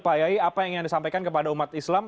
pak yayi apa yang ingin disampaikan kepada umat islam